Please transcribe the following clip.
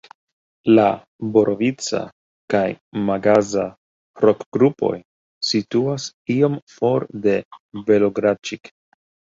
La Borovica- kaj Magaza-rokgrupoj situas iom for de Belogradĉik.